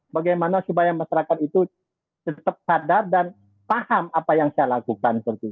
bagaimana supaya masyarakat itu tetap sadar dan paham apa yang saya lakukan